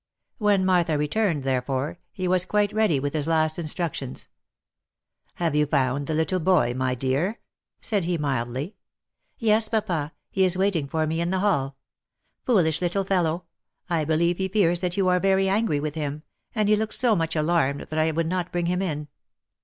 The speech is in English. When Martha returned, therefore, he was quite ready with his last in structions. " Have you found the little boy, my dear ?" said he mildly. " Yes, papa, he is waiting for me in the hall. Foolish little fellow ! I believe he fears that you are very angry with him, and he looked so much alarmed that I would not bring him in."